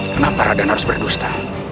kenapa radan harus berdusta